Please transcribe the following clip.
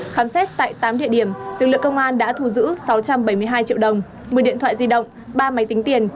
khám xét tại tám địa điểm lực lượng công an đã thu giữ sáu trăm bảy mươi hai triệu đồng một mươi điện thoại di động ba máy tính tiền